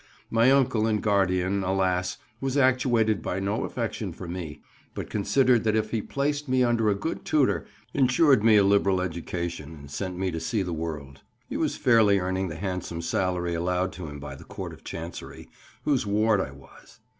My uncle and guardian, alas! was actuated by no affection for me, but considered that if he placed me under a good tutor, insured me a liberal education, and sent me to see the world, he was fairly earning the handsome salary allowed him by the Court of Chancery, whose ward I was.